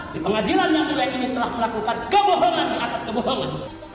di pengadilan yang mulia ini telah melakukan kebohongan atas kebohongan